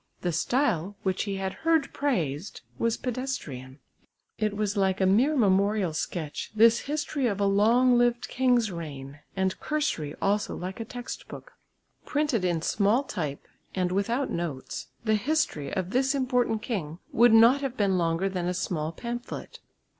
The style, which he had heard praised, was pedestrian. It was like a mere memorial sketch, this history of a long lived king's reign, and cursory also like a text book. Printed in small type, and without notes, the history of this important king would not have been longer than a small pamphlet.